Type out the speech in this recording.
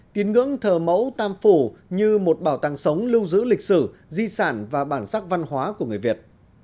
tín ngưỡng thờ mẫu tam phủ như một bảo tàng sống lưu giữ lịch sử di sản và bản sắc văn hóa của người việt